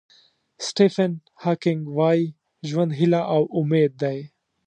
سټیفن هاکینګ وایي ژوند هیله او امید دی.